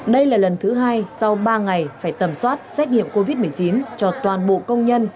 đây là lần thứ hai sau ba ngày phải tầm soát xét nghiệm covid một mươi chín cho toàn bộ công nhân